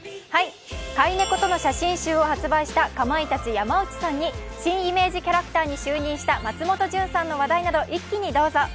飼い猫との写真集を発売した、かまいたちの山内さんに新イメージキャラクターに就任した松本潤さんの話題など一気にどうぞ。